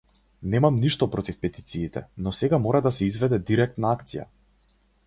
Немам ништо против петициите, но сега мора да се изведе директна акција.